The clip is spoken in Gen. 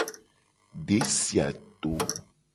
Desi a to.